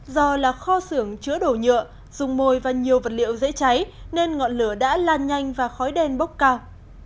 do là kho xưởng chữa đổ nhựa dùng mồi và nhiều vật liệu dễ cháy nên ngọn lửa đã lan nhanh và khói đen bốc cao